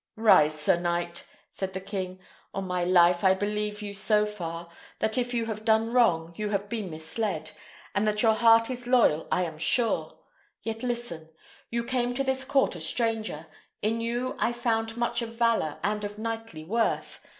"Rise, sir knight," said the king. "On my life, I believe you so far, that if you have done wrong, you have been misled; and that your heart is loyal I am sure: yet listen. You came to this court a stranger; in you I found much of valour and of knightly worth.